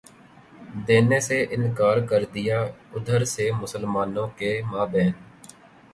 دینے سے انکار کر دیا ادھر سے مسلمانوں کے مابین